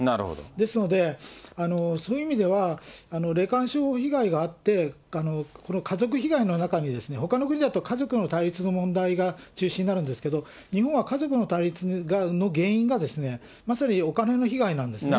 ですので、そういう意味では、霊感商法被害があって、この家族被害の中に、ほかの国だと家族の対立の問題が中心になるんですけれども、日本は家族の対立の原因が、まさにお金の被害なんですね。